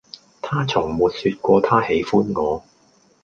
他從沒說過他喜歡我